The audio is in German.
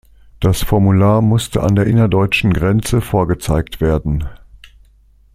Das Formular musste an der innerdeutschen Grenze vorgezeigt werden.